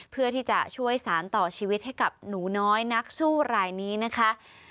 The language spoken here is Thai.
เพื่อที่จะช่วยสารต่อชีวิตให้กับหนูน้อยนักสู้รายนี้นะคะ